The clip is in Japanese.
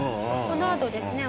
このあとですね